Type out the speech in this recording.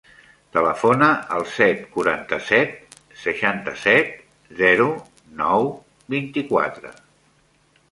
Telefona al set, quaranta-set, seixanta-set, zero, nou, vint-i-quatre.